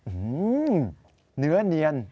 อื้อหือเนื้อเนียน